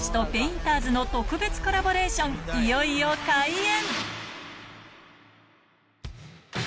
いよいよ開演